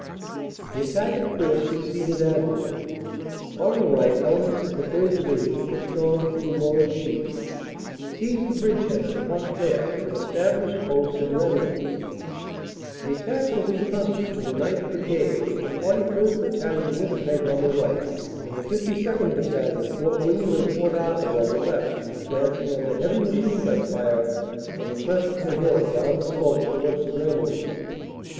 The attack at first succeeded admirably. On the right ele ments of the 3rd. Division pushed on through Morenchies, seized the bridgehead at Pont d Aire and established posts in Ramillies. The attack was entrusted to the 9th. Brigade, with the 43rd. Battalion, Winnipeg, on the right, and the S2nd. Battalion, Fort William and Port Arthur, on the left, advancing under heavy machine gun fire on the crest of the hill down the slope towards Ramillies.